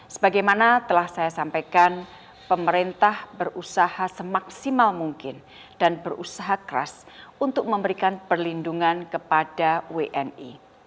sebagaimana telah saya sampaikan pemerintah berusaha semaksimal mungkin dan berusaha keras untuk memberikan perlindungan kepada wni